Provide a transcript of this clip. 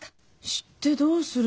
知ってどうするの？